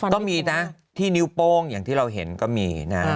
ก็มีนะที่นิ้วโป้งอย่างที่เราเห็นก็มีนะ